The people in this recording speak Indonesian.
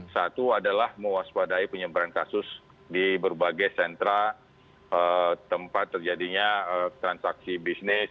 satu adalah mewaspadai penyebaran kasus di berbagai sentra tempat terjadinya transaksi bisnis